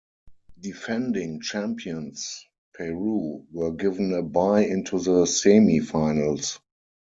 Defending champions Peru were given a bye into the semi-finals.